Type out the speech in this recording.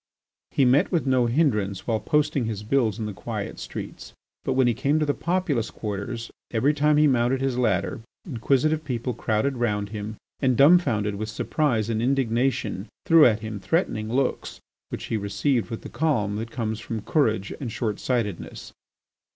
He met with no hindrance while posting his bills in the quiet streets, but when he came to the populous quarters, every time he mounted his ladder, inquisitive people crowded round him and, dumbfounded with surprise and indignation, threw at him threatening looks which he received with the calm that comes from courage and short sightedness.